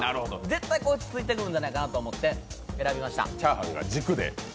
絶対ついてくるんじゃないかと思って、選びました。